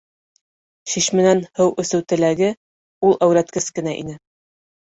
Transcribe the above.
Шишмәнән һыу эсеү теләге ул әүрәткес кенә ине.